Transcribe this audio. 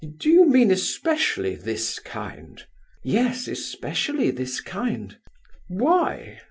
"Do you mean especially this kind?" "Yes, especially this kind." "Why?"